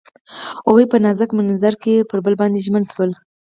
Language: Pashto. هغوی په نازک منظر کې پر بل باندې ژمن شول.